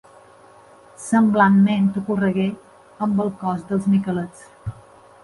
Semblantment ocorregué amb el cos dels miquelets.